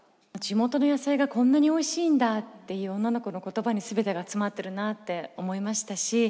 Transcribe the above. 地元の野菜がこんなにおいしいんだっていう女の子の言葉に全てが詰まってるなって思いましたし